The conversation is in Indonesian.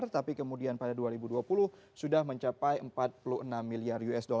tapi kemudian pada dua ribu dua puluh sudah mencapai empat puluh enam miliar usd